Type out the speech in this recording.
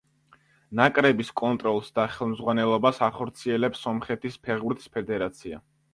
ნაკრების კონტროლს და ხელმძღვანელობას ახორციელებს სომხეთის ფეხბურთის ფედერაცია.